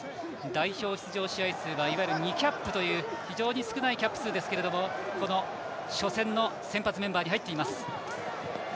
代表出場試合数はいわゆる２キャップという非常に少ないキャップ数ですがこの初戦の先発メンバーに入っています。